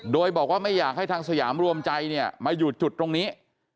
โดยบอกว่าไม่อยากให้ทางสยามรวมใจเนี่ยมาอยู่จุดตรงนี้